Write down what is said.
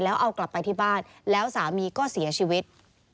แล้วเอากลับไปที่บ้านแล้วสามีก็เสียชีวิต